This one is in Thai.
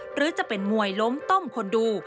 หรือจะเป็นมวยล้มต้มคนดู